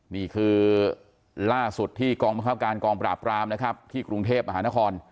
นี่คือล่าสุดที่กองบังคับการกองปราบรามนะครับที่กรุงเทพมหานคร